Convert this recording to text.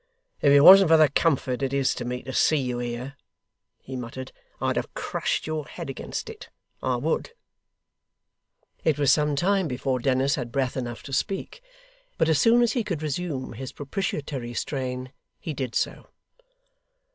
'If it wasn't for the comfort it is to me, to see you here,' he muttered, 'I'd have crushed your head against it; I would.' It was some time before Dennis had breath enough to speak, but as soon as he could resume his propitiatory strain, he did so.